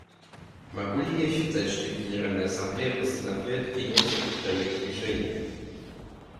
Могу ли я считать, что Генеральная Ассамблея постановляет принять этот проект решения?